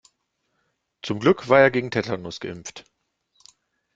Zum Glück war er gegen Tetanus geimpft.